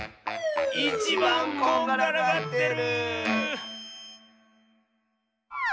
いちばんこんがらがってる！